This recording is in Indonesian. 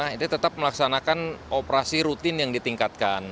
ini tetap melaksanakan operasi rutin yang ditingkatkan